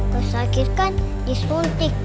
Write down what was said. kesakit kan disuntik